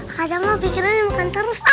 kadang mau bikinnya makan terus